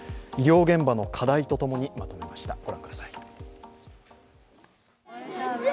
医療現場の課題とともにまとめました。